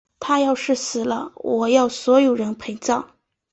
她要是死了，我要所有人陪葬！